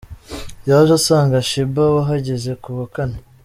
Yaje asanga Sheebah wahageze ku wa Kane.